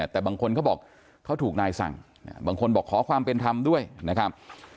แต่บางคนเขาบอกเขาถูกนายสั่งบางคนบอกขอความเป็นธรรมด้วยนะครับ